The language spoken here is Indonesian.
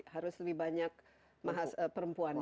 harus lebih banyak perempuannya